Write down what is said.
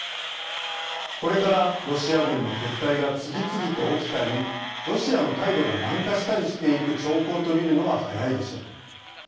これからロシア軍の撤退が次々と起きたりロシアの態度が軟化したりしていく兆候とみるのは早いでしょう。